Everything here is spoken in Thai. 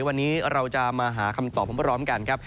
วันนี้เราจะมาหาคำตอบพร้อมกันครับ